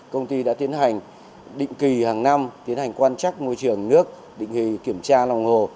công ty đã tiến hành định kỳ hàng năm tiến hành quan trắc môi trường nước định kỳ kiểm tra lòng hồ